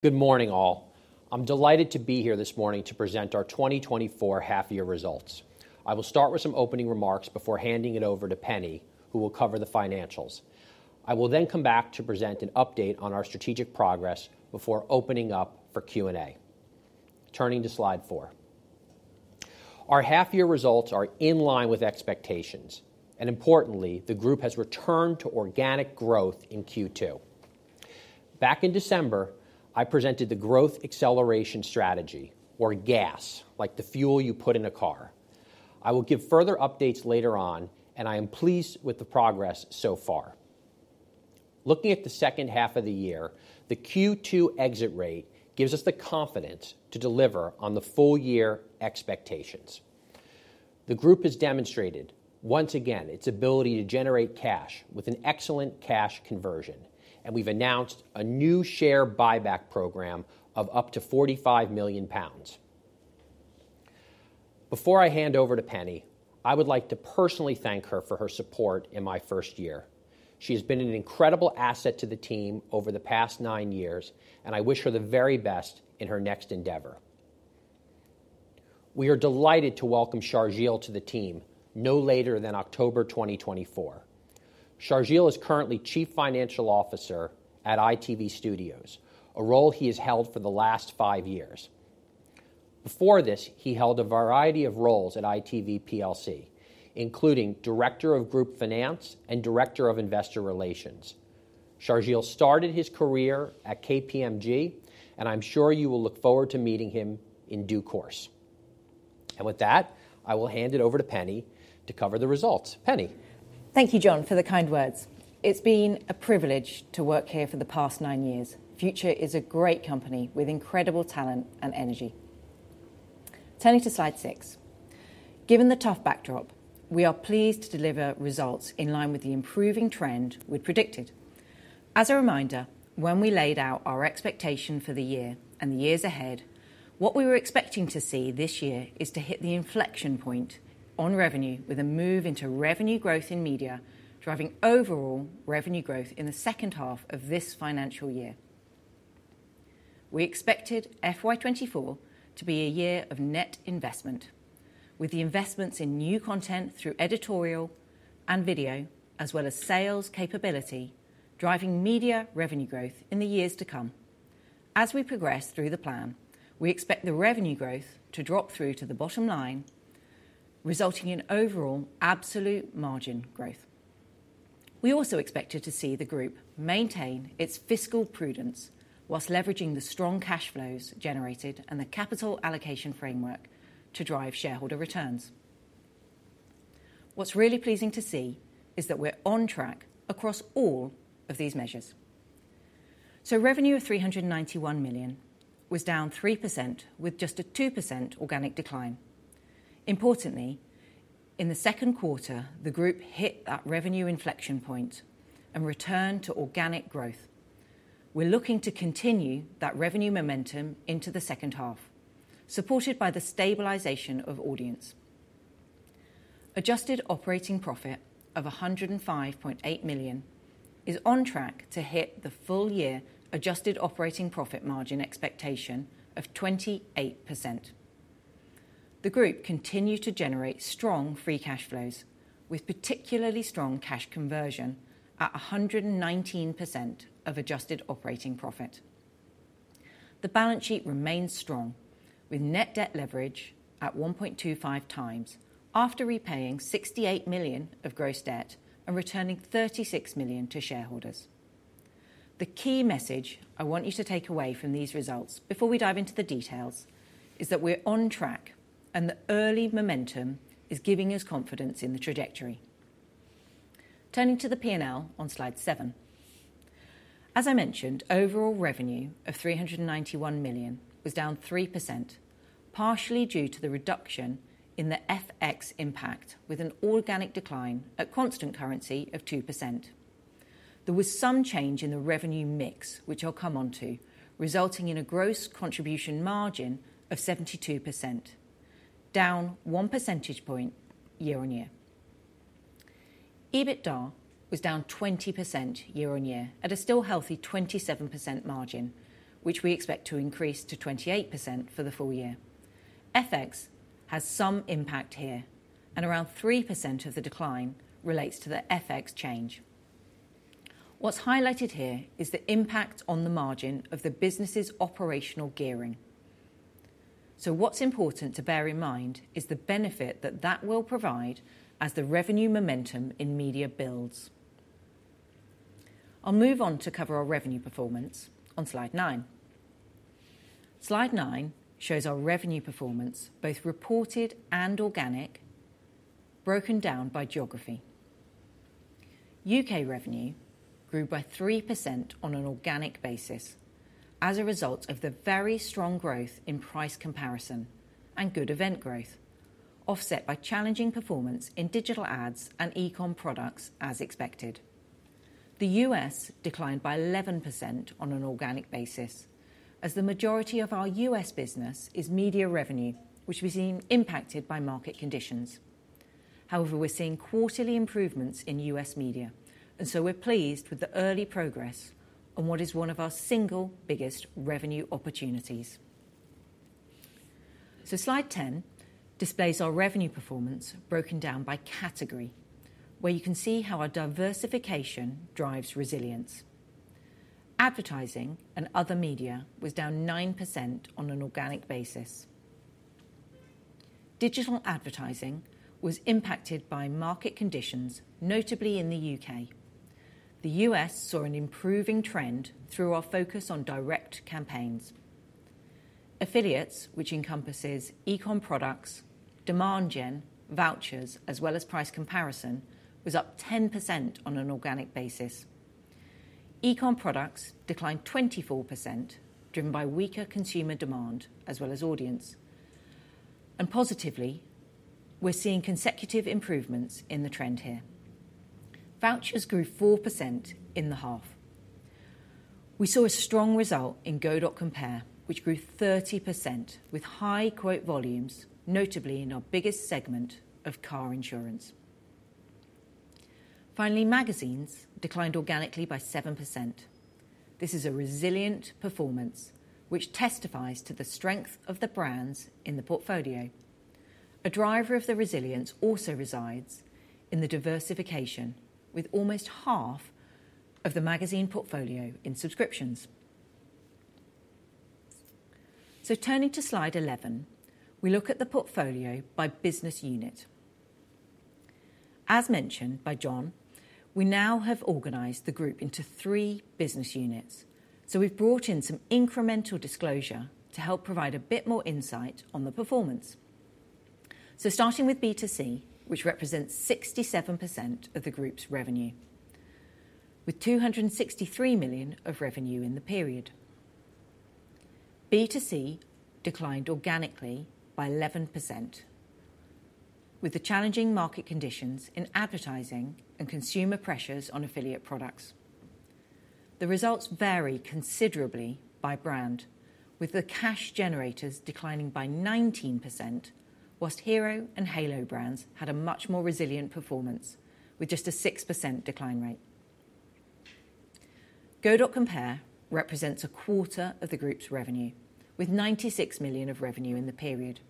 Good morning, all. I'm delighted to be here this morning to present our 2024 half-year results. I will start with some opening remarks before handing it over to Penny, who will cover the financials. I will then come back to present an update on our strategic progress before opening up for Q&A. Turning to slide 4. Our half-year results are in line with expectations, and importantly, the group has returned to organic growth in Q2. Back in December, I presented the Growth Acceleration Strategy, or GAS, like the fuel you put in a car. I will give further updates later on, and I am pleased with the progress so far. Looking at the second half of the year, the Q2 exit rate gives us the confidence to deliver on the full year expectations. The group has demonstrated, once again, its ability to generate cash with an excellent cash conversion, and we've announced a new share buyback program of up to 45 million pounds. Before I hand over to Penny, I would like to personally thank her for her support in my first year. She has been an incredible asset to the team over the past 9 years, and I wish her the very best in her next endeavor. We are delighted to welcome Sharjeel to the team no later than October 2024. Sharjeel is currently Chief Financial Officer at ITV Studios, a role he has held for the last 5 years. Before this, he held a variety of roles at ITV plc, including Director of Group Finance and Director of Investor Relations. Sharjeel started his career at KPMG, and I'm sure you will look forward to meeting him in due course. With that, I will hand it over to Penny to cover the results. Penny? Thank you, Jon, for the kind words. It's been a privilege to work here for the past nine years. Future is a great company with incredible talent and energy. Turning to slide six. Given the tough backdrop, we are pleased to deliver results in line with the improving trend we'd predicted. As a reminder, when we laid out our expectation for the year and the years ahead, what we were expecting to see this year is to hit the inflection point on revenue with a move into revenue growth in media, driving overall revenue growth in the second half of this financial year. We expected FY 2024 to be a year of net investment, with the investments in new content through editorial and video, as well as sales capability, driving media revenue growth in the years to come. As we progress through the plan, we expect the revenue growth to drop through to the bottom line, resulting in overall absolute margin growth. We also expected to see the group maintain its fiscal prudence whilst leveraging the strong cash flows generated and the capital allocation framework to drive shareholder returns. What's really pleasing to see is that we're on track across all of these measures. Revenue of 391 million was down 3%, with just a 2% organic decline. Importantly, in the second quarter, the group hit that revenue inflection point and returned to organic growth. We're looking to continue that revenue momentum into the second half, supported by the stabilization of audience. Adjusted operating profit of 105.8 million is on track to hit the full year adjusted operating profit margin expectation of 28%. The group continued to generate strong free cash flows, with particularly strong cash conversion at 119% of adjusted operating profit. The balance sheet remains strong, with net debt leverage at 1.25 times after repaying 68 million of gross debt and returning 36 million to shareholders. The key message I want you to take away from these results before we dive into the details, is that we're on track and the early momentum is giving us confidence in the trajectory. Turning to the P&L on slide 7. As I mentioned, overall revenue of 391 million was down 3%, partially due to the reduction in the FX impact, with an organic decline at constant currency of 2%. There was some change in the revenue mix, which I'll come onto, resulting in a gross contribution margin of 72%, down 1 percentage point year-on-year. EBITDA was down 20% year-on-year at a still healthy 27% margin, which we expect to increase to 28% for the full year. FX has some impact here, and around 3% of the decline relates to the FX change. What's highlighted here is the impact on the margin of the business's operational gearing. So what's important to bear in mind is the benefit that that will provide as the revenue momentum in media builds. I'll move on to cover our revenue performance on slide 9. Slide 9 shows our revenue performance, both reported and organic, broken down by geography. U.K. revenue grew by 3% on an organic basis as a result of the very strong growth in price comparison and good event growth, offset by challenging performance in digital ads and eCom products, as expected. The U.S. declined by 11% on an organic basis, as the majority of our U.S. business is media revenue, which we've seen impacted by market conditions… however, we're seeing quarterly improvements in U.S. media, and so we're pleased with the early progress on what is one of our single biggest revenue opportunities. So slide 10 displays our revenue performance broken down by category, where you can see how our diversification drives resilience. Advertising and other media was down 9% on an organic basis. Digital advertising was impacted by market conditions, notably in the U.K.. The U.S. saw an improving trend through our focus on direct campaigns. Affiliates, which encompasses eCom products, demand gen, vouchers, as well as price comparison, was up 10% on an organic basis. eCom products declined 24%, driven by weaker consumer demand as well as audience. Positively, we're seeing consecutive improvements in the trend here. Vouchers grew 4% in the half. We saw a strong result in Go.Compare, which grew 30% with high quote volumes, notably in our biggest segment of car insurance. Finally, magazines declined organically by 7%. This is a resilient performance, which testifies to the strength of the brands in the portfolio. A driver of the resilience also resides in the diversification, with almost half of the magazine portfolio in subscriptions. Turning to slide 11, we look at the portfolio by business unit. As mentioned by Jon, we now have organized the group into three business units, so we've brought in some incremental disclosure to help provide a bit more insight on the performance. So starting with B2C, which represents 67% of the group's revenue, with 263 million of revenue in the period. B2C declined organically by 11%. With the challenging market conditions in advertising and consumer pressures on affiliate products, the results vary considerably by brand, with the cash generators declining by 19%, while Hero and Halo brands had a much more resilient performance, with just a 6% decline rate. Go.Compare represents a quarter of the group's revenue, with 96 million of revenue in the period.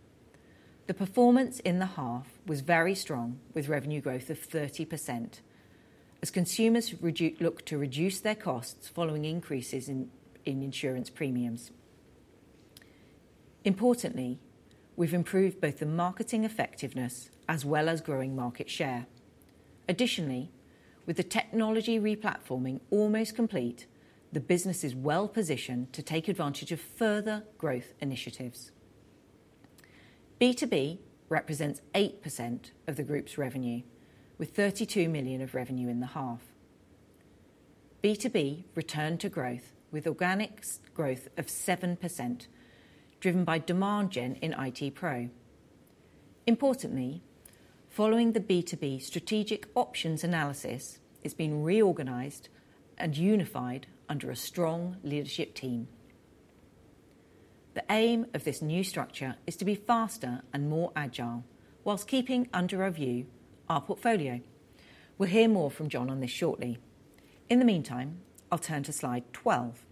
The performance in the half was very strong, with revenue growth of 30%, as consumers look to reduce their costs following increases in insurance premiums. Importantly, we've improved both the marketing effectiveness as well as growing market share. Additionally, with the technology replatforming almost complete, the business is well-positioned to take advantage of further growth initiatives. B2B represents 8% of the group's revenue, with 32 million of revenue in the half. B2B returned to growth, with organic growth of 7%, driven by demand gen in ITPro. Importantly, following the B2B strategic options analysis, it's been reorganized and unified under a strong leadership team. The aim of this new structure is to be faster and more agile, while keeping under review our portfolio. We'll hear more from Jon on this shortly. In the meantime, I'll turn to slide 12,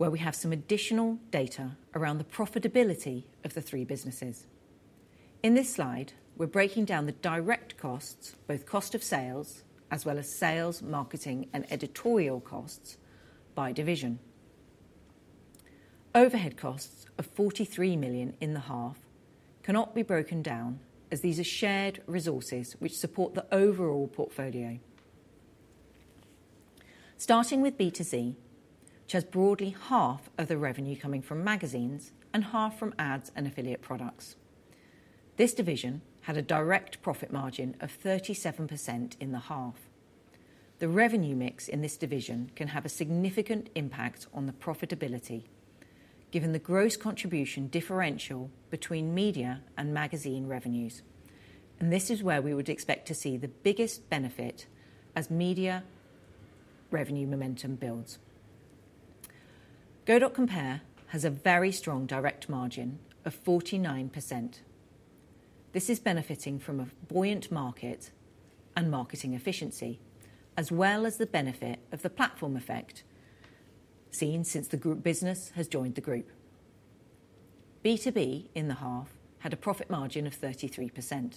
where we have some additional data around the profitability of the three businesses. In this slide, we're breaking down the direct costs, both cost of sales as well as sales, marketing, and editorial costs by division. Overhead costs of 43 million in the half cannot be broken down, as these are shared resources which support the overall portfolio. Starting with B2C, which has broadly half of the revenue coming from magazines and half from ads and affiliate products, this division had a direct profit margin of 37% in the half. The revenue mix in this division can have a significant impact on the profitability, given the gross contribution differential between media and magazine revenues, and this is where we would expect to see the biggest benefit as media revenue momentum builds. Go.Compare has a very strong direct margin of 49%. This is benefiting from a buoyant market and marketing efficiency, as well as the benefit of the platform effect seen since the group business has joined the group. B2B in the half had a profit margin of 33%.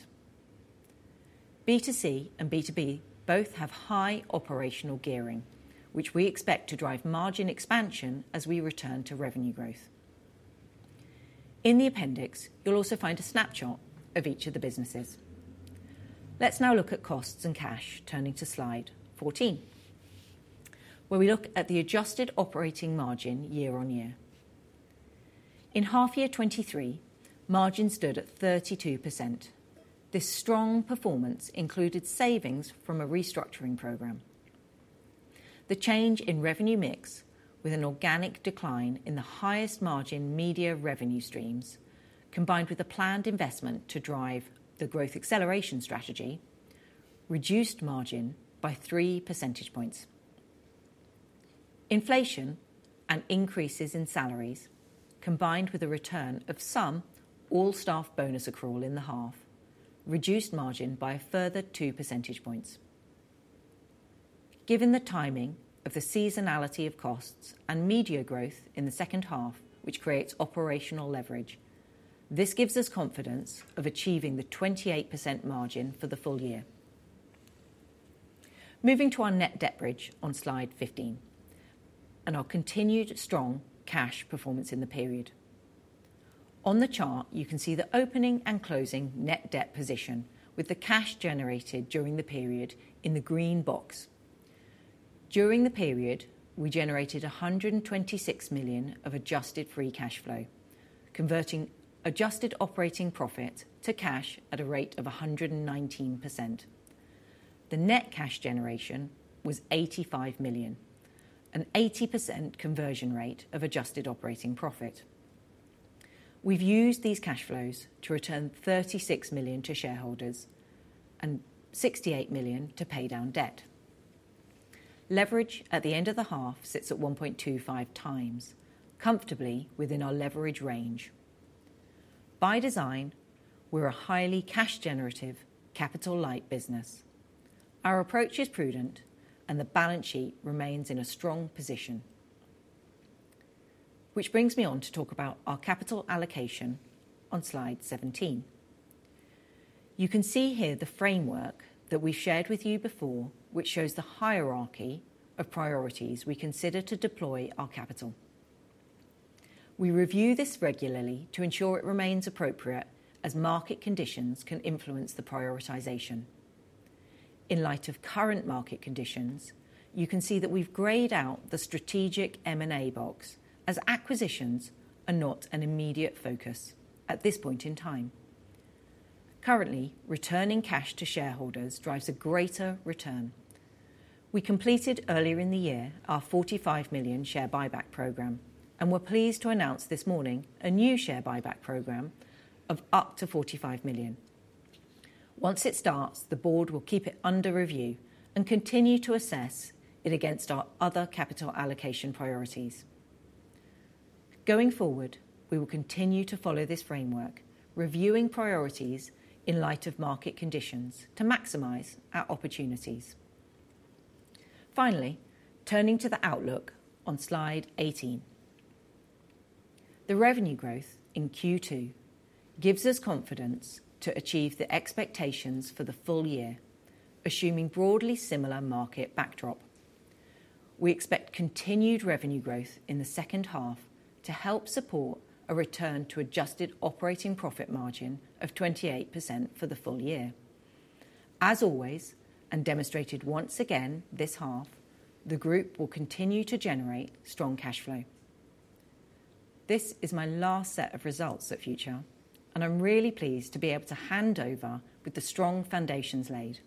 B2C and B2B both have high operational gearing, which we expect to drive margin expansion as we return to revenue growth. In the appendix, you'll also find a snapshot of each of the businesses. Let's now look at costs and cash, turning to slide 14, where we look at the adjusted operating margin year-over-year. In half year 2023, margin stood at 32%. This strong performance included savings from a restructuring program. The change in revenue mix, with an organic decline in the highest margin media revenue streams, combined with a planned investment to drive the Growth Acceleration Strategy, reduced margin by 3 percentage points. inflation and increases in salaries, combined with a return of some all-staff bonus accrual in the half, reduced margin by a further 2 percentage points. Given the timing of the seasonality of costs and media growth in the second half, which creates operational leverage, this gives us confidence of achieving the 28% margin for the full year. Moving to our net debt bridge on slide 15, and our continued strong cash performance in the period. On the chart, you can see the opening and closing net debt position, with the cash generated during the period in the green box. During the period, we generated 126 million of adjusted free cash flow, converting adjusted operating profit to cash at a rate of 119%. The net cash generation was 85 million, an 80% conversion rate of adjusted operating profit. We've used these cash flows to return 36 million to shareholders and 68 million to pay down debt. Leverage at the end of the half sits at 1.25 times, comfortably within our leverage range. By design, we're a highly cash-generative, capital-light business. Our approach is prudent, and the balance sheet remains in a strong position. Which brings me on to talk about our capital allocation on slide 17. You can see here the framework that we've shared with you before, which shows the hierarchy of priorities we consider to deploy our capital. We review this regularly to ensure it remains appropriate, as market conditions can influence the prioritization. In light of current market conditions, you can see that we've grayed out the strategic M&A box, as acquisitions are not an immediate focus at this point in time. Currently, returning cash to shareholders drives a greater return. We completed earlier in the year our 45 million share buyback program, and we're pleased to announce this morning a new share buyback program of up to 45 million. Once it starts, the board will keep it under review and continue to assess it against our other capital allocation priorities. Going forward, we will continue to follow this framework, reviewing priorities in light of market conditions to maximize our opportunities. Finally, turning to the outlook on slide 18. The revenue growth in Q2 gives us confidence to achieve the expectations for the full year, assuming broadly similar market backdrop. We expect continued revenue growth in the second half to help support a return to adjusted operating profit margin of 28% for the full year. As always, and demonstrated once again this half, the group will continue to generate strong cash flow. This is my last set of results at Future, and I'm really pleased to be able to hand over with the strong foundations laid.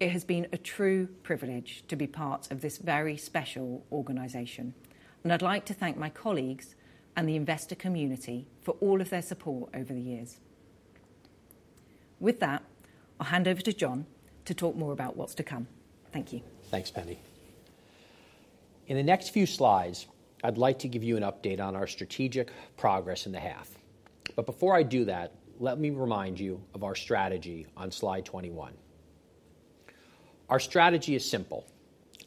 It has been a true privilege to be part of this very special organization, and I'd like to thank my colleagues and the investor community for all of their support over the years. With that, I'll hand over to Jon to talk more about what's to come. Thank you. Thanks, Penny. In the next few slides, I'd like to give you an update on our strategic progress in the half. But before I do that, let me remind you of our strategy on slide 21. Our strategy is simple.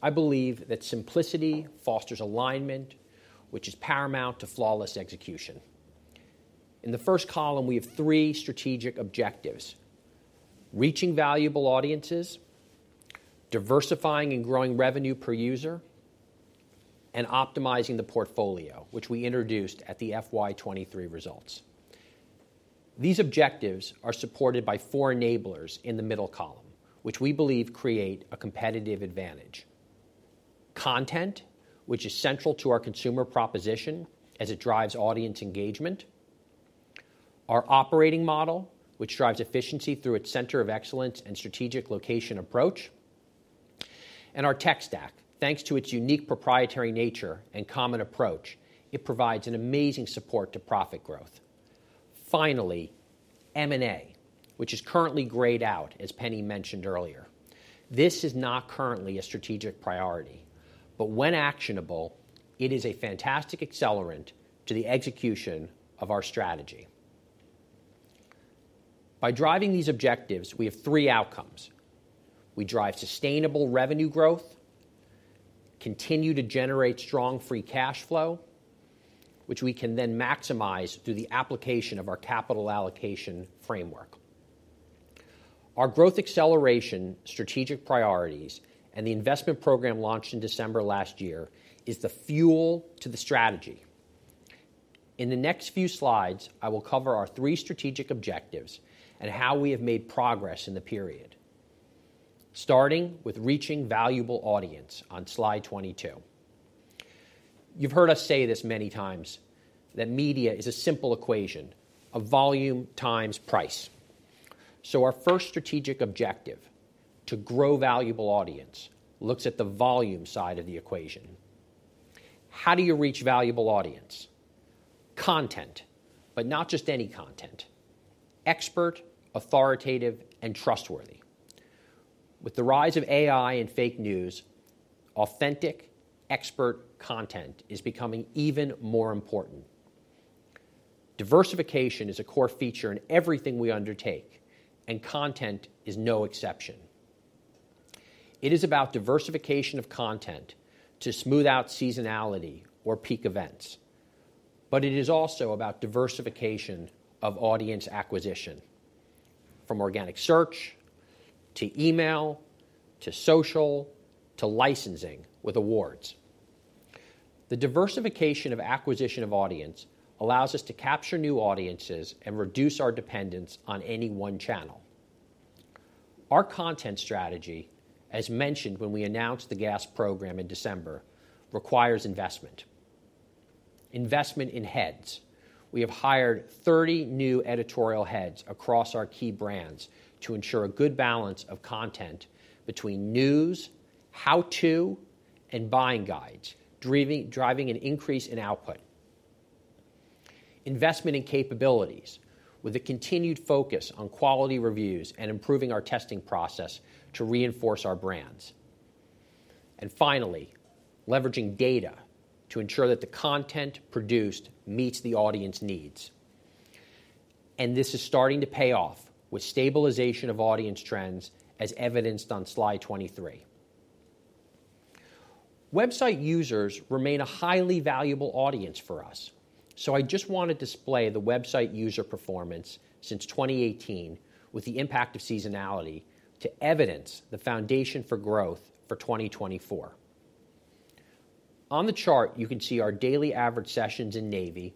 I believe that simplicity fosters alignment, which is paramount to flawless execution. In the first column, we have three strategic objectives: reaching valuable audiences, diversifying and growing revenue per user, and optimizing the portfolio, which we introduced at the FY 2023 results. These objectives are supported by four enablers in the middle column, which we believe create a competitive advantage. Content, which is central to our consumer proposition as it drives audience engagement. Our operating model, which drives efficiency through its center of excellence and strategic location approach. And our tech stack, thanks to its unique proprietary nature and common approach, it provides an amazing support to profit growth. Finally, M&A, which is currently grayed out, as Penny mentioned earlier. This is not currently a strategic priority, but when actionable, it is a fantastic accelerant to the execution of our strategy. By driving these objectives, we have three outcomes. We drive sustainable revenue growth, continue to generate strong free cash flow, which we can then maximize through the application of our capital allocation framework. Our growth acceleration, strategic priorities, and the investment program launched in December last year is the fuel to the strategy. In the next few slides, I will cover our three strategic objectives and how we have made progress in the period, starting with reaching valuable audience on slide 22. You've heard us say this many times, that media is a simple equation of volume times price. So our first strategic objective, to grow valuable audience, looks at the volume side of the equation. How do you reach valuable audience? Content, but not just any content. Expert, authoritative, and trustworthy... With the rise of AI and fake news, authentic expert content is becoming even more important. Diversification is a core feature in everything we undertake, and content is no exception. It is about diversification of content to smooth out seasonality or peak events, but it is also about diversification of audience acquisition, from organic search to email, to social, to licensing with awards. The diversification of acquisition of audience allows us to capture new audiences and reduce our dependence on any one channel. Our content strategy, as mentioned when we announced the GAS program in December, requires investment. Investment in heads. We have hired 30 new editorial heads across our key brands to ensure a good balance of content between news, how-to, and buying guides, driving an increase in output. Investment in capabilities, with a continued focus on quality reviews and improving our testing process to reinforce our brands. And finally, leveraging data to ensure that the content produced meets the audience needs. This is starting to pay off with stabilization of audience trends, as evidenced on slide 23. Website users remain a highly valuable audience for us, so I just want to display the website user performance since 2018 with the impact of seasonality to evidence the foundation for growth for 2024. On the chart, you can see our daily average sessions in navy,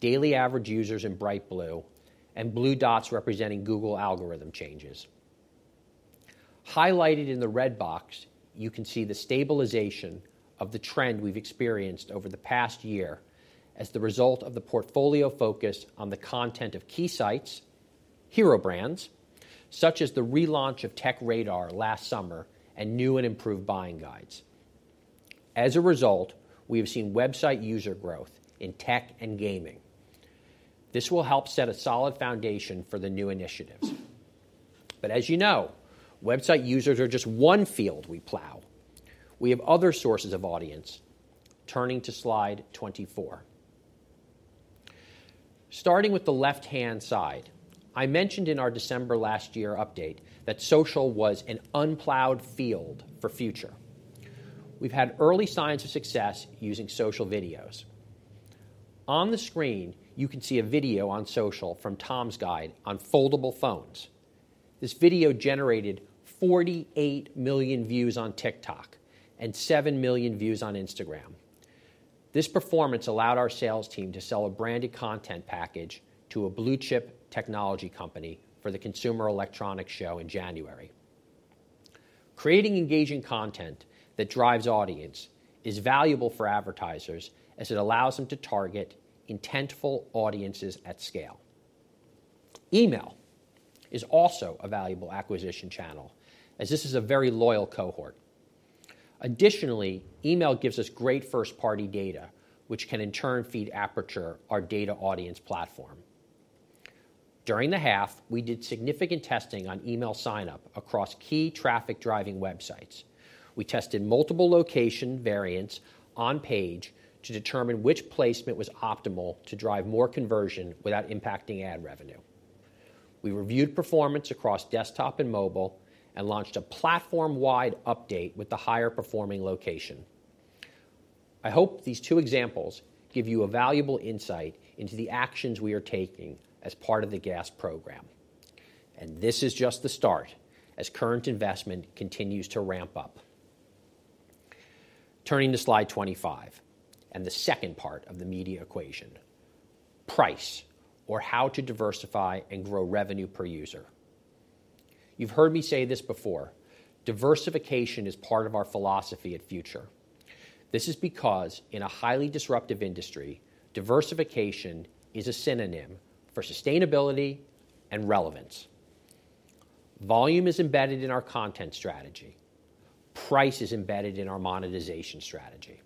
daily average users in bright blue, and blue dots representing Google algorithm changes. Highlighted in the red box, you can see the stabilization of the trend we've experienced over the past year as the result of the portfolio focus on the content of key sites, Hero brands, such as the relaunch of TechRadar last summer, and new and improved buying guides. As a result, we have seen website user growth in tech and gaming. This will help set a solid foundation for the new initiatives. But as you know, website users are just one field we plow. We have other sources of audience. Turning to slide 24. Starting with the left-hand side, I mentioned in our December last year update that social was an unplowed field for Future. We've had early signs of success using social videos. On the screen, you can see a video on social from Tom's Guide on foldable phones. This video generated 48 million views on TikTok and 7 million views on Instagram. This performance allowed our sales team to sell a branded content package to a blue-chip technology company for the Consumer Electronics Show in January. Creating engaging content that drives audience is valuable for advertisers as it allows them to target intentful audiences at scale. Email is also a valuable acquisition channel, as this is a very loyal cohort. Additionally, email gives us great first-party data, which can in turn feed Aperture, our data audience platform. During the half, we did significant testing on email sign-up across key traffic-driving websites. We tested multiple location variants on page to determine which placement was optimal to drive more conversion without impacting ad revenue. We reviewed performance across desktop and mobile and launched a platform-wide update with the higher-performing location. I hope these two examples give you a valuable insight into the actions we are taking as part of the GAS program, and this is just the start as current investment continues to ramp up. Turning to slide 25, and the second part of the media equation, price, or how to diversify and grow revenue per user. You've heard me say this before, diversification is part of our philosophy at Future. This is because in a highly disruptive industry, diversification is a synonym for sustainability and relevance. Volume is embedded in our content strategy. Price is embedded in our monetization strategy.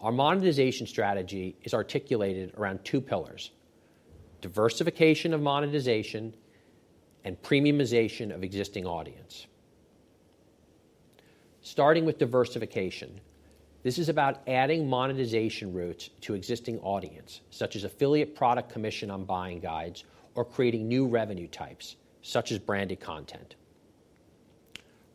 Our monetization strategy is articulated around two pillars: diversification of monetization and premiumization of existing audience. Starting with diversification, this is about adding monetization routes to existing audience, such as affiliate product commission on buying guides or creating new revenue types, such as branded content.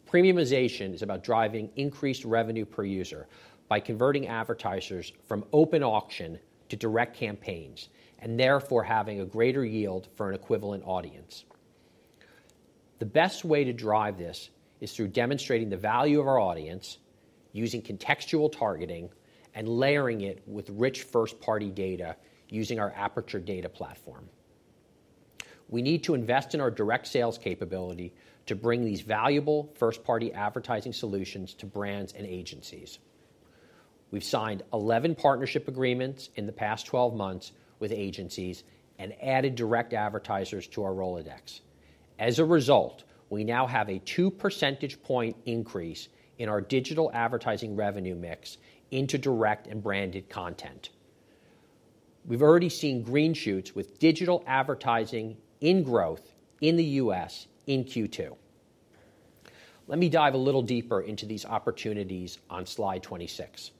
Premiumization is about driving increased revenue per user by converting advertisers from open auction to direct campaigns and therefore having a greater yield for an equivalent audience. The best way to drive this is through demonstrating the value of our audience, using contextual targeting and layering it with rich first-party data using our Aperture data platform. We need to invest in our direct sales capability to bring these valuable first-party advertising solutions to brands and agencies. We've signed 11 partnership agreements in the past 12 months with agencies and added direct advertisers to our Rolodex. As a result, we now have a 2-percentage-point increase in our digital advertising revenue mix into direct and branded content.... We've already seen green shoots with digital advertising in growth in the U.S. in Q2. Let me dive a little deeper into these opportunities on slide 26.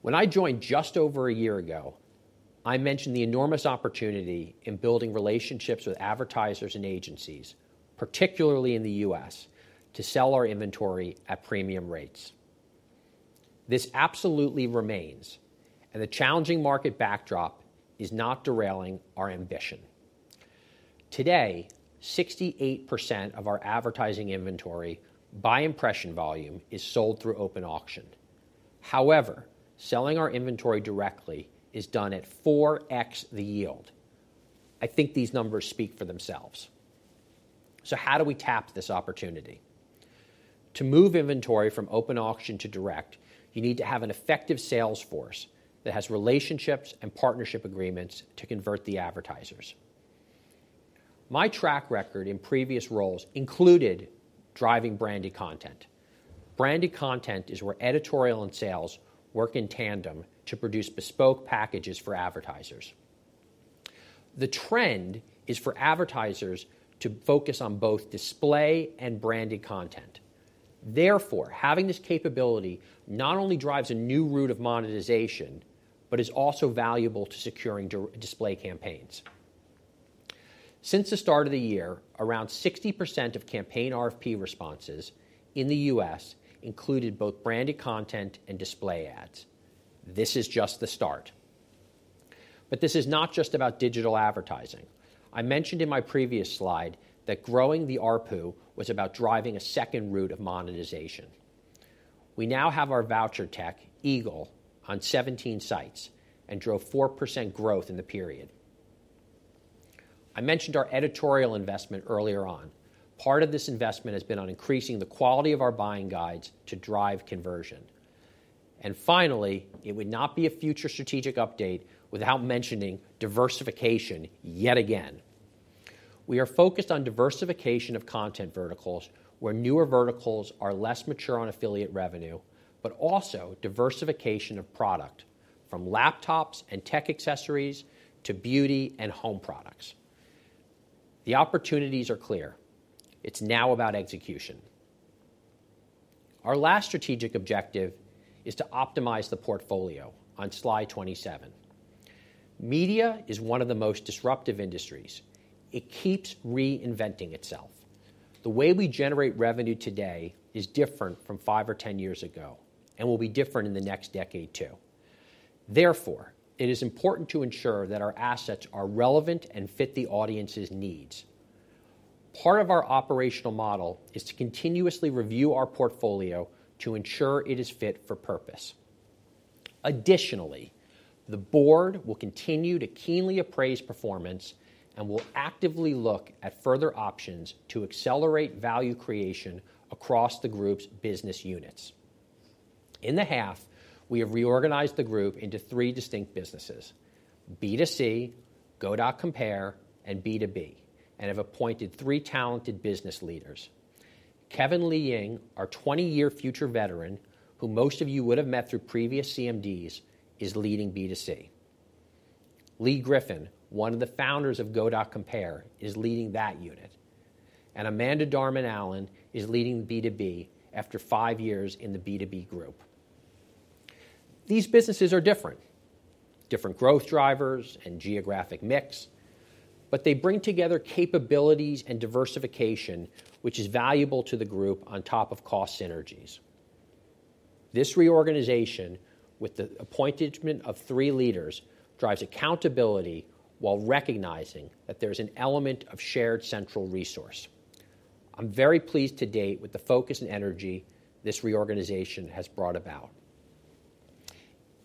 When I joined just over a year ago, I mentioned the enormous opportunity in building relationships with advertisers and agencies, particularly in the U.S., to sell our inventory at premium rates. This absolutely remains, and the challenging market backdrop is not derailing our ambition. Today, 68% of our advertising inventory by impression volume is sold through open auction. However, selling our inventory directly is done at 4x the yield. I think these numbers speak for themselves. So how do we tap this opportunity? To move inventory from open auction to direct, you need to have an effective sales force that has relationships and partnership agreements to convert the advertisers. My track record in previous roles included driving branded content. Branded content is where editorial and sales work in tandem to produce bespoke packages for advertisers. The trend is for advertisers to focus on both display and branded content. Therefore, having this capability not only drives a new route of monetization but is also valuable to securing display campaigns. Since the start of the year, around 60% of campaign RFP responses in the U.S. included both branded content and display ads. This is just the start. But this is not just about digital advertising. I mentioned in my previous slide that growing the ARPU was about driving a second route of monetization. We now have our voucher tech, Eagle, on 17 sites and drove 4% growth in the period. I mentioned our editorial investment earlier on. Part of this investment has been on increasing the quality of our buying guides to drive conversion. And finally, it would not be a Future strategic update without mentioning diversification yet again. We are focused on diversification of content verticals, where newer verticals are less mature on affiliate revenue, but also diversification of product, from laptops and tech accessories to beauty and home products. The opportunities are clear. It's now about execution. Our last strategic objective is to optimize the portfolio, on slide 27. Media is one of the most disruptive industries. It keeps reinventing itself. The way we generate revenue today is different from 5 or 10 years ago and will be different in the next decade, too. Therefore, it is important to ensure that our assets are relevant and fit the audience's needs. Part of our operational model is to continuously review our portfolio to ensure it is fit for purpose. Additionally, the board will continue to keenly appraise performance and will actively look at further options to accelerate value creation across the group's business units. In the half, we have reorganized the group into three distinct businesses: B2C, Go.Compare, and B2B, and have appointed three talented business leaders. Kevin Li Ying, our 20-year Future veteran, who most of you would have met through previous CMDs, is leading B2C. Lee Griffin, one of the founders of Go.Compare, is leading that unit. Amanda Darman-Allen is leading B2B after five years in the B2B group. These businesses are different, different growth drivers and geographic mix, but they bring together capabilities and diversification, which is valuable to the group on top of cost synergies. This reorganization, with the appointment of three leaders, drives accountability while recognizing that there's an element of shared central resource. I'm very pleased to date with the focus and energy this reorganization has brought about.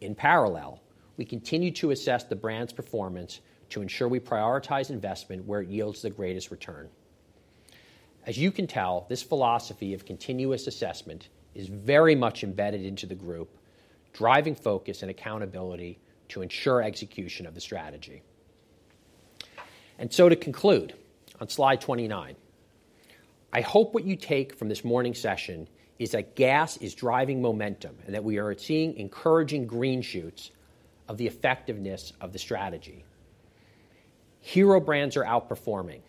In parallel, we continue to assess the brand's performance to ensure we prioritize investment where it yields the greatest return. As you can tell, this philosophy of continuous assessment is very much embedded into the group, driving focus and accountability to ensure execution of the strategy. And so to conclude, on slide 29, I hope what you take from this morning's session is that GAS is driving momentum, and that we are seeing encouraging green shoots of the effectiveness of the strategy. Hero brands are outperforming.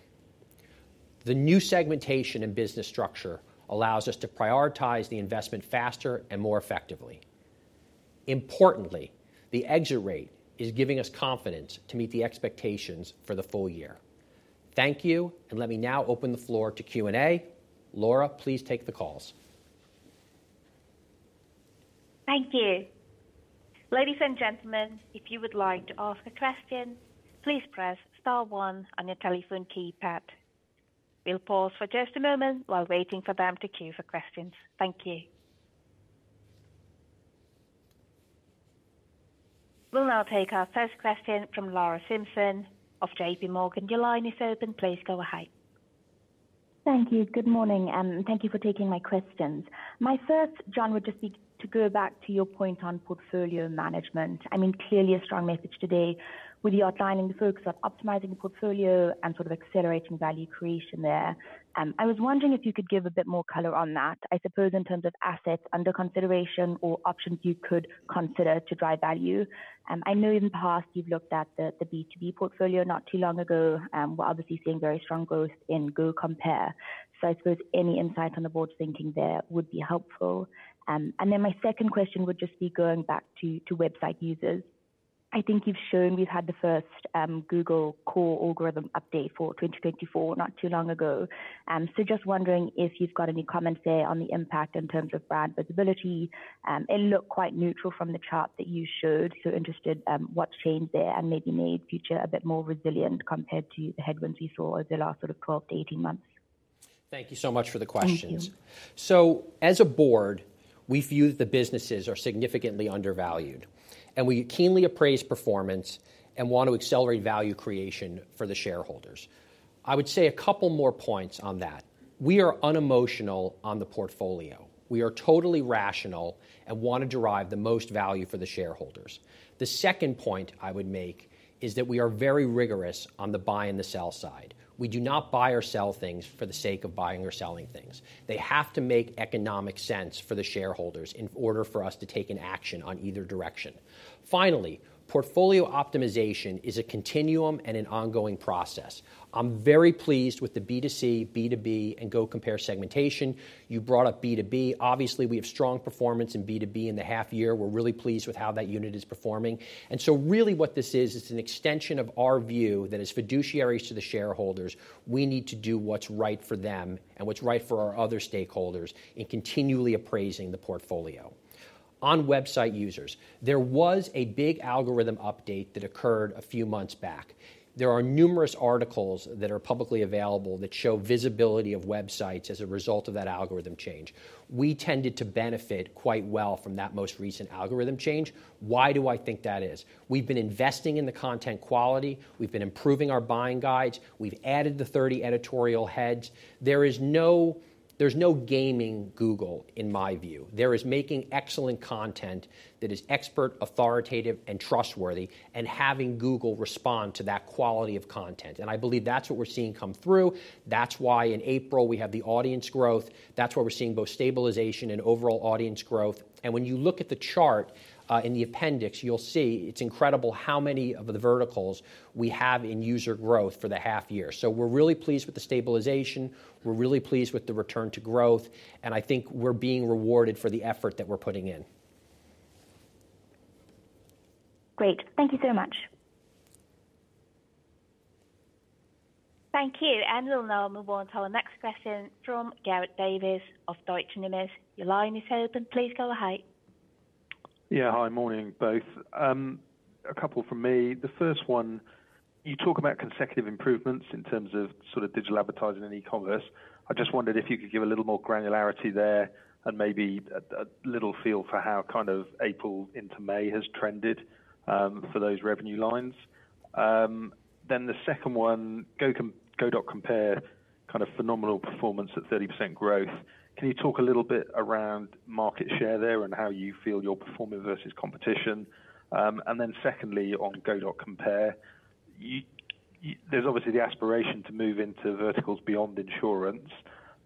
The new segmentation and business structure allows us to prioritize the investment faster and more effectively. Importantly, the exit rate is giving us confidence to meet the expectations for the full year. Thank you, and let me now open the floor to Q&A. Laura, please take the calls. Thank you. Ladies and gentlemen, if you would like to ask a question, please press star one on your telephone keypad. We'll pause for just a moment while waiting for them to queue for questions. Thank you. We'll now take our first question from Lara Simpson of J.P. Morgan. Your line is open. Please go ahead. Thank you. Good morning, and thank you for taking my questions. My first, Jon, would just be to go back to your point on portfolio management. I mean, clearly a strong message today with you outlining the focus on optimizing the portfolio and sort of accelerating value creation there. I was wondering if you could give a bit more color on that, I suppose, in terms of assets under consideration or options you could consider to drive value. I know in the past you've looked at the B2B portfolio not too long ago, we're obviously seeing very strong growth in Go.Compare. So I suppose any insight on the board's thinking there would be helpful. And then my second question would just be going back to website users. I think you've shown we've had the first Google core algorithm update for 2024, not too long ago. So just wondering if you've got any comments there on the impact in terms of brand visibility. It looked quite neutral from the chart that you showed, so interested, what's changed there, and maybe made Future a bit more resilient compared to the headwinds we saw over the last sort of 12-18 months. Thank you so much for the questions. Thank you. As a board, we view the businesses are significantly undervalued, and we keenly appraise performance and want to accelerate value creation for the shareholders. I would say a couple more points on that: We are unemotional on the portfolio. We are totally rational and want to derive the most value for the shareholders. The second point I would make is that we are very rigorous on the buy and the sell side. We do not buy or sell things for the sake of buying or selling things. They have to make economic sense for the shareholders in order for us to take an action on either direction. Finally, portfolio optimization is a continuum and an ongoing process. I'm very pleased with the B2C, B2B, and Go.Compare segmentation. You brought up B2B. Obviously, we have strong performance in B2B in the half year, we're really pleased with how that unit is performing. And so really what this is, it's an extension of our view that as fiduciaries to the shareholders, we need to do what's right for them and what's right for our other stakeholders in continually appraising the portfolio. On website users, there was a big algorithm update that occurred a few months back. There are numerous articles that are publicly available that show visibility of websites as a result of that algorithm change. We tended to benefit quite well from that most recent algorithm change. Why do I think that is? We've been investing in the content quality, we've been improving our buying guides, we've added the 30 editorial heads. There's no gaming Google, in my view. There is making excellent content that is expert, authoritative, and trustworthy, and having Google respond to that quality of content. I believe that's what we're seeing come through. That's why in April we have the audience growth. That's why we're seeing both stabilization and overall audience growth. When you look at the chart in the appendix, you'll see it's incredible how many of the verticals we have in user growth for the half year. So we're really pleased with the stabilization, we're really pleased with the return to growth, and I think we're being rewarded for the effort that we're putting in. Great. Thank you so much. Thank you. And we'll now move on to our next question from Gareth Davies of Deutsche Bank. Your line is open. Please go ahead. Yeah. Hi, morning, both. A couple from me. The first one, you talk about consecutive improvements in terms of sort of digital advertising and eCommerce. I just wondered if you could give a little more granularity there and maybe a little feel for how kind of April into May has trended for those revenue lines. Then the second one, Go.Compare, kind of phenomenal performance at 30% growth. Can you talk a little bit around market share there and how you feel you're performing versus competition? And then secondly, on Go.Compare, there's obviously the aspiration to move into verticals beyond insurance.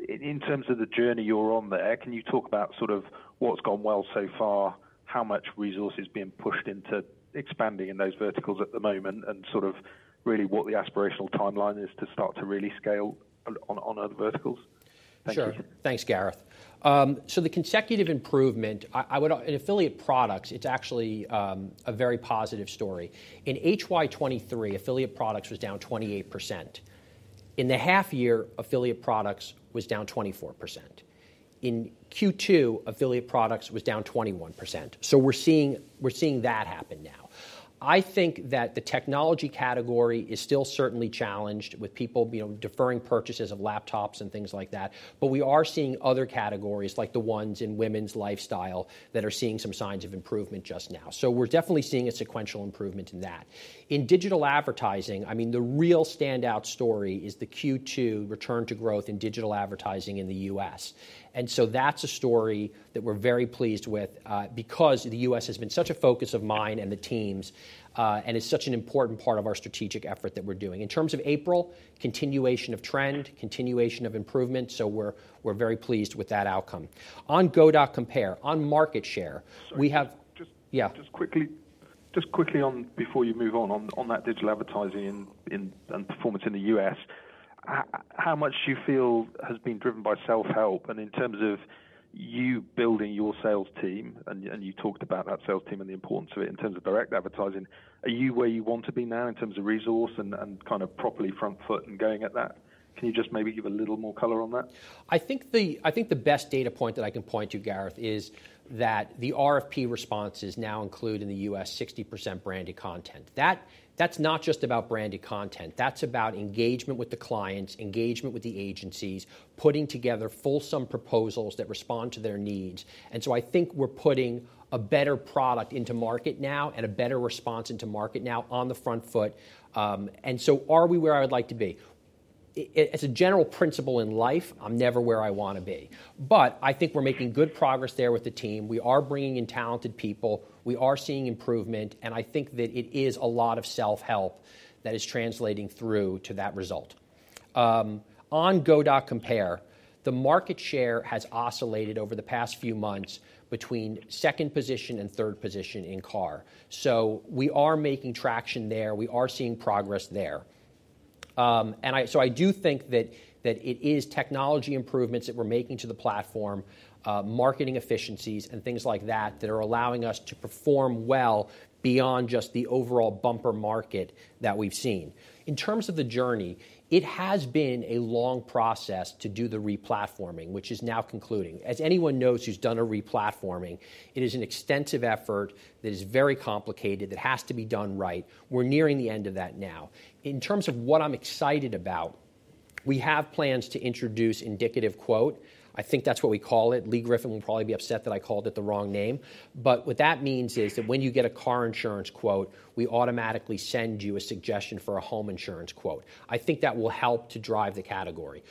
In terms of the journey you're on there, can you talk about sort of what's gone well so far, how much resource is being pushed into expanding in those verticals at the moment, and sort of really what the aspirational timeline is to start to really scale on, on other verticals? Thank you. Sure. Thanks, Gareth. So the consecutive improvement, I would... In affiliate products, it's actually a very positive story. In HY 2023, affiliate products was down 28%. In the half year, affiliate products was down 24%. In Q2, affiliate products was down 21%. So we're seeing, we're seeing that happen now. I think that the technology category is still certainly challenged with people, you know, deferring purchases of laptops and things like that. But we are seeing other categories, like the ones in women's lifestyle, that are seeing some signs of improvement just now. So we're definitely seeing a sequential improvement in that. In digital advertising, I mean, the real standout story is the Q2 return to growth in digital advertising in the U.S. And so that's a story that we're very pleased with, because the U.S. has been such a focus of mine and the teams, and it's such an important part of our strategic effort that we're doing. In terms of April, continuation of trend, continuation of improvement, so we're very pleased with that outcome. On Go.Compare, on market share, we have- Sorry, just- Yeah. Just quickly on, before you move on, on that digital advertising in and performance in the U.S., how much do you feel has been driven by self-help? And in terms of you building your sales team, and you talked about that sales team and the importance of it in terms of direct advertising, are you where you want to be now in terms of resource and kind of properly front foot and going at that? Can you just maybe give a little more color on that? I think the best data point that I can point to, Gareth, is that the RFP responses now include, in the U.S., 60% branded content. That's not just about branded content, that's about engagement with the clients, engagement with the agencies, putting together full sum proposals that respond to their needs. And so I think we're putting a better product into market now and a better response into market now on the front foot. And so are we where I would like to be? As a general principle in life, I'm never where I wanna be. But I think we're making good progress there with the team. We are bringing in talented people, we are seeing improvement, and I think that it is a lot of self-help that is translating through to that result. On Go.Compare, the market share has oscillated over the past few months between second position and third position in car. So we are making traction there, we are seeing progress there. So I do think that it is technology improvements that we're making to the platform, marketing efficiencies, and things like that, that are allowing us to perform well beyond just the overall bumper market that we've seen. In terms of the journey, it has been a long process to do the replatforming, which is now concluding. As anyone knows who's done a replatforming, it is an extensive effort that is very complicated, that has to be done right. We're nearing the end of that now. In terms of what I'm excited about, we have plans to introduce indicative quote. I think that's what we call it. Lee Griffin will probably be upset that I called it the wrong name. But what that means is that when you get a car insurance quote, we automatically send you a suggestion for a home insurance quote. I think that will help to drive the category.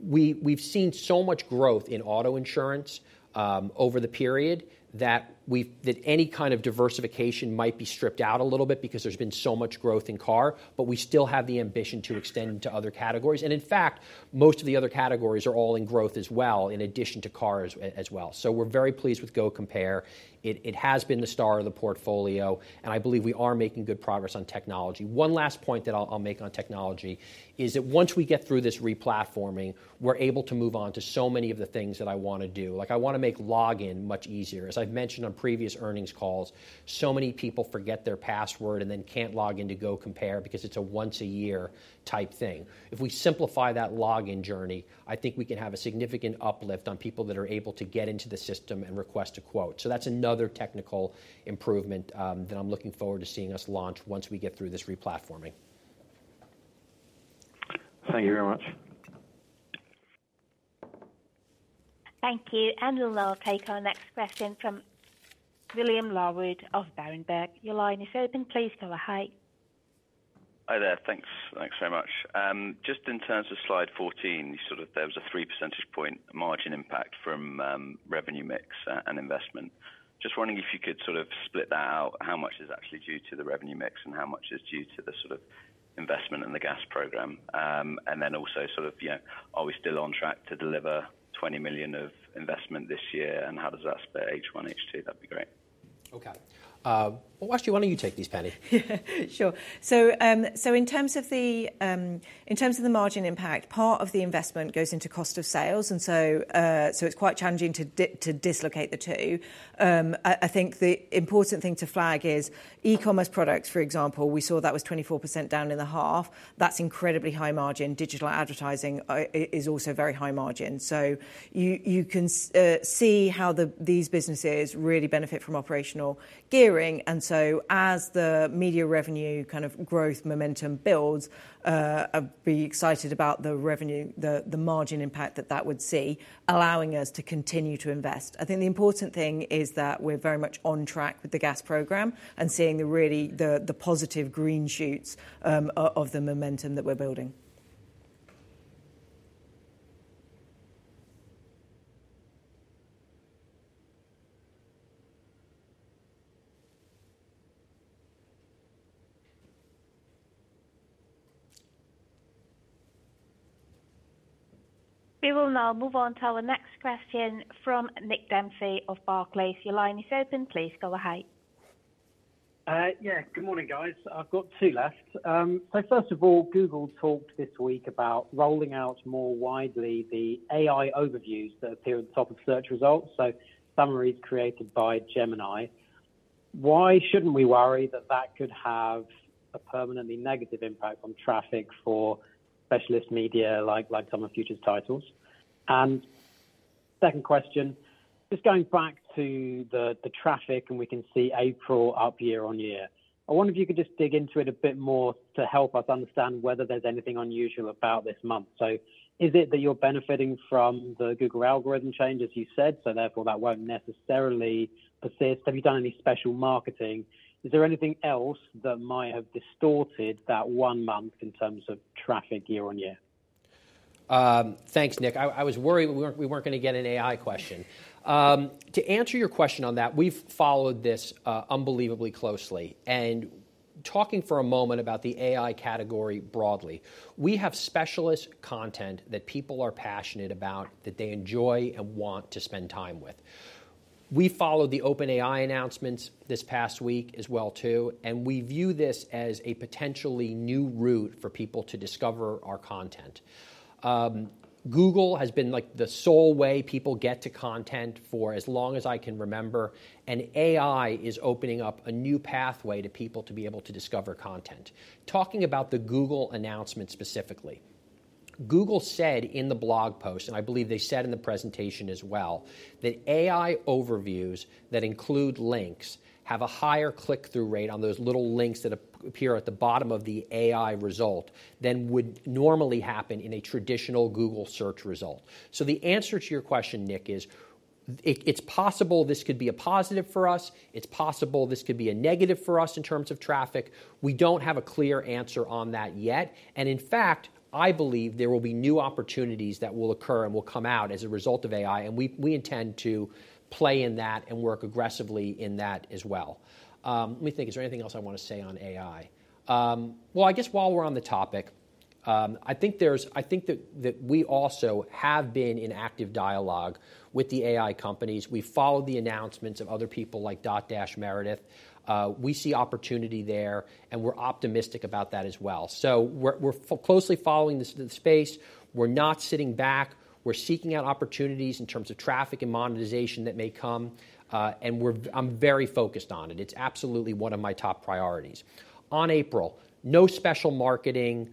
We've seen so much growth in auto insurance over the period, that we've any kind of diversification might be stripped out a little bit because there's been so much growth in car, but we still have the ambition to extend into other categories. And in fact, most of the other categories are all in growth as well, in addition to cars as well. So we're very pleased with Go.Compare. It has been the star of the portfolio, and I believe we are making good progress on technology. One last point that I'll make on technology is that once we get through this replatforming, we're able to move on to so many of the things that I wanna do. Like, I wanna make login much easier. As I've mentioned on previous earnings calls, so many people forget their password and then can't log in to Go.Compare because it's a once-a-year type thing. If we simplify that login journey, I think we can have a significant uplift on people that are able to get into the system and request a quote. So that's another technical improvement that I'm looking forward to seeing us launch once we get through this replatforming. Thank you very much. Thank you. And we'll now take our next question from William Larwood of Berenberg. Your line is open, please go ahead. Hi there. Thanks. Thanks very much. Just in terms of slide 14, you sort of... There was a 3 percentage point margin impact from revenue mix and investment. Just wondering if you could sort of split that out, how much is actually due to the revenue mix and how much is due to the sort of investment in the GAS program? And then also, sort of, yeah, are we still on track to deliver 20 million of investment this year, and how does that split H1, H2? That'd be great. Okay. Well, actually, why don't you take these, Penny? Sure. So, so in terms of the, in terms of the margin impact, part of the investment goes into cost of sales, and so, so it's quite challenging to dislocate the two. I think the important thing to flag is eCommerce products, for example, we saw that was 24% down in the half. That's incredibly high margin. Digital advertising, is also very high margin. So you can see how these businesses really benefit from operational gearing. And so as the media revenue kind of growth momentum builds, I'd be excited about the revenue, the, the margin impact that that would see, allowing us to continue to invest. I think the important thing is that we're very much on track with the GAS program and seeing the really positive green shoots of the momentum that we're building. We will now move on to our next question from Nick Dempsey of Barclays. Your line is open. Please go ahead. Yeah, good morning, guys. I've got two left. So first of all, Google talked this week about rolling out more widely the AI overviews that appear at the top of search results, so summaries created by Gemini. Why shouldn't we worry that that could have a permanently negative impact on traffic for specialist media, like, like some of Future's titles? And second question, just going back to the traffic, and we can see April up year-over-year. I wonder if you could just dig into it a bit more to help us understand whether there's anything unusual about this month. So is it that you're benefiting from the Google algorithm change, as you said, so therefore, that won't necessarily persist? Have you done any special marketing? Is there anything else that might have distorted that one month in terms of traffic year-over-year? Thanks, Nick. I was worried we weren't gonna get an AI question. To answer your question on that, we've followed this unbelievably closely. Talking for a moment about the AI category broadly, we have specialist content that people are passionate about, that they enjoy and want to spend time with. We followed the OpenAI announcements this past week as well, too, and we view this as a potentially new route for people to discover our content. Google has been, like, the sole way people get to content for as long as I can remember, and AI is opening up a new pathway to people to be able to discover content. Talking about the Google announcement specifically, Google said in the blog post, and I believe they said in the presentation as well, that AI overviews that include links have a higher click-through rate on those little links that appear at the bottom of the AI result than would normally happen in a traditional Google search result. So the answer to your question, Nick, is. It, it's possible this could be a positive for us. It's possible this could be a negative for us in terms of traffic. We don't have a clear answer on that yet, and in fact, I believe there will be new opportunities that will occur and will come out as a result of AI, and we, we intend to play in that and work aggressively in that as well. Let me think. Is there anything else I want to say on AI? Well, I guess while we're on the topic, I think that we also have been in active dialogue with the AI companies. We followed the announcements of other people like Dotdash Meredith. We see opportunity there, and we're optimistic about that as well. So we're closely following the space. We're not sitting back. We're seeking out opportunities in terms of traffic and monetization that may come, and we're-- I'm very focused on it. It's absolutely one of my top priorities. On April, no special marketing,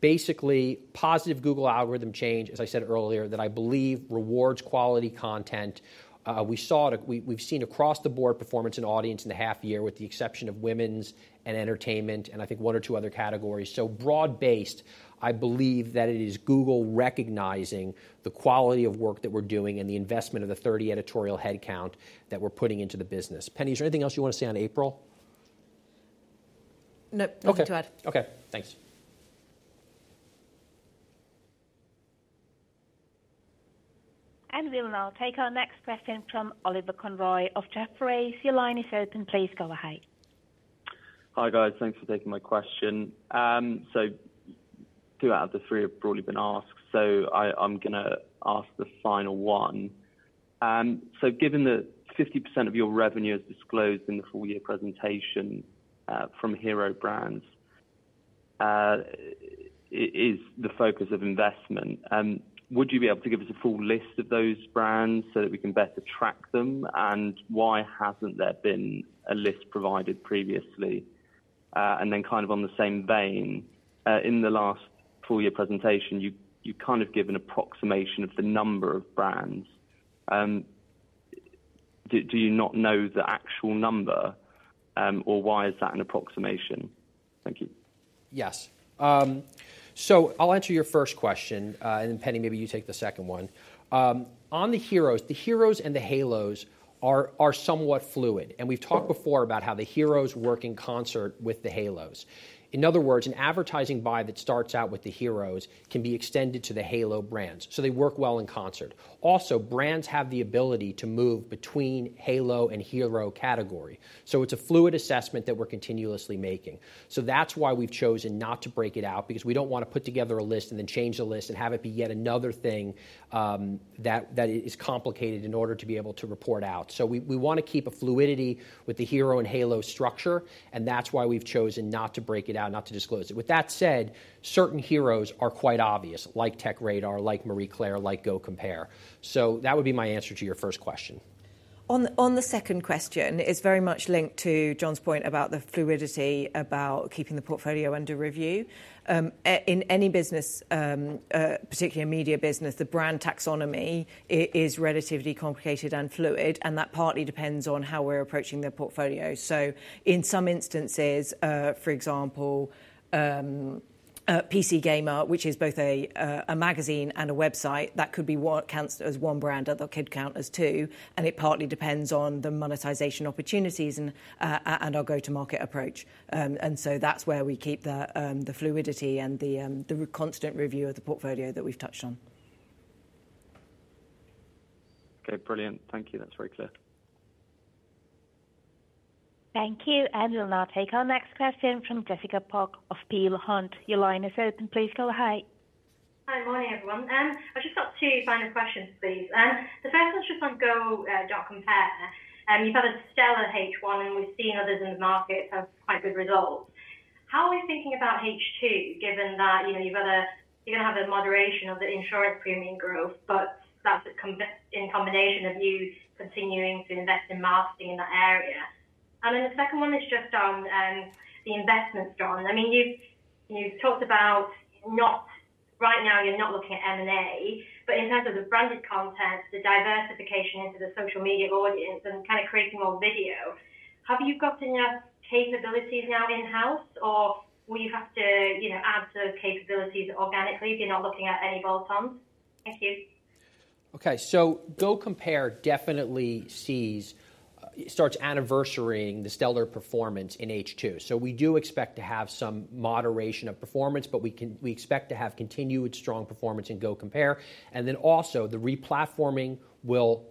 basically, positive Google algorithm change, as I said earlier, that I believe rewards quality content. We saw it-- we've seen across the board performance in audience in the half year, with the exception of women's and entertainment, and I think one or two other categories. So broad-based, I believe that it is Google recognizing the quality of work that we're doing and the investment of the 30 editorial headcount that we're putting into the business. Penny, is there anything else you want to say on April? No, nothing to add. Okay. Okay, thanks. We will now take our next question from Oliver Conroy of Jefferies. Your line is open. Please go ahead. Hi, guys. Thanks for taking my question. So two out of the three have broadly been asked, so I'm gonna ask the final one. So given that 50% of your revenue is disclosed in the full year presentation from Hero Brands, is the focus of investment, would you be able to give us a full list of those brands so that we can better track them? And why hasn't there been a list provided previously? And then kind of on the same vein, in the last full year presentation, you kind of gave an approximation of the number of brands. Do you not know the actual number, or why is that an approximation? Thank you. Yes. So I'll answer your first question, and then, Penny, maybe you take the second one. On the Heroes, the Heroes and the Halos are, are somewhat fluid, and we've talked before about how the Heroes work in concert with the Halos. In other words, an advertising buy that starts out with the Heroes can be extended to the Halo brands, so they work well in concert. Also, brands have the ability to move between Halo and Hero category. So it's a fluid assessment that we're continuously making. So that's why we've chosen not to break it out, because we don't want to put together a list and then change the list and have it be yet another thing, that, that is complicated in order to be able to report out. So we wanna keep a fluidity with the Hero and Halo structure, and that's why we've chosen not to break it out, not to disclose it. With that said, certain Heroes are quite obvious, like TechRadar, like Marie Claire, like Go.Compare. So that would be my answer to your first question. On the second question, it's very much linked to Jon's point about the fluidity, about keeping the portfolio under review. In any business, particularly a media business, the brand taxonomy is relatively complicated and fluid, and that partly depends on how we're approaching their portfolio. So in some instances, for example, PC Gamer, which is both a magazine and a website, that could be what counts as one brand, or they could count as two, and it partly depends on the monetization opportunities and our go-to-market approach. And so that's where we keep the fluidity and the constant review of the portfolio that we've touched on. Okay, brilliant. Thank you. That's very clear. Thank you, and we'll now take our next question from Jessica Pok of Peel Hunt. Your line is open. Please go ahead. Hi, morning, everyone. I've just got two final questions, please. The first one's just on Go.Compare. You've had a stellar H1, and we've seen others in the market have quite good results. How are we thinking about H2, given that, you know, you've got a... You're gonna have a moderation of the insurance premium growth, but that's a combination of you continuing to invest in marketing in that area. And then the second one is just on the investment, Jon. I mean, you've talked about not right now you're not looking at M&A, but in terms of the branded content, the diversification into the social media audience and kind of creating more video, have you got enough capabilities now in-house, or will you have to, you know, add to the capabilities organically if you're not looking at any bolt-ons? Thank you. Okay, so Go.Compare definitely sees starts anniversarying the stellar performance in H2. So we do expect to have some moderation of performance, but we expect to have continued strong performance in Go.Compare. And then also, the replatforming will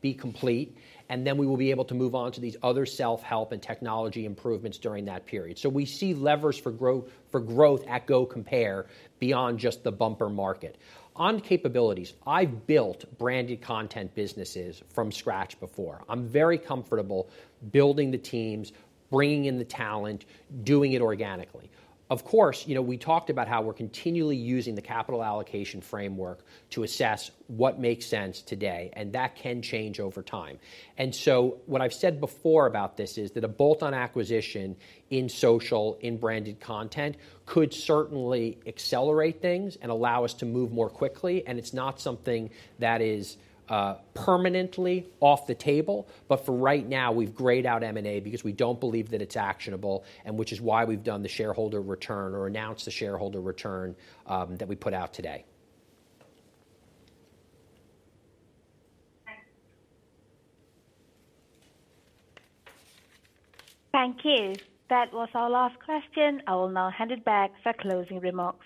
be complete, and then we will be able to move on to these other self-help and technology improvements during that period. So we see levers for growth at Go.Compare beyond just the bumper market. On capabilities, I've built branded content businesses from scratch before. I'm very comfortable building the teams, bringing in the talent, doing it organically. Of course, you know, we talked about how we're continually using the capital allocation framework to assess what makes sense today, and that can change over time. And so what I've said before about this is that a bolt-on acquisition in social, in branded content, could certainly accelerate things and allow us to move more quickly, and it's not something that is permanently off the table. But for right now, we've grayed out M&A because we don't believe that it's actionable, and which is why we've done the shareholder return or announced the shareholder return that we put out today. Thanks. Thank you. That was our last question. I will now hand it back for closing remarks.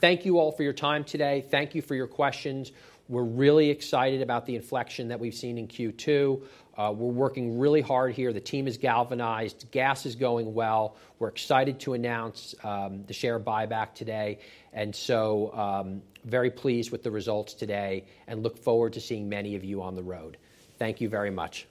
Thank you all for your time today. Thank you for your questions. We're really excited about the inflection that we've seen in Q2. We're working really hard here. The team is galvanized. GAS is going well. We're excited to announce the share buyback today, and so, very pleased with the results today and look forward to seeing many of you on the road. Thank you very much.